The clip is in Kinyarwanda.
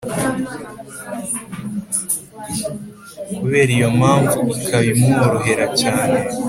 , kubera iyo mpamvu ikaba imworohera cyane.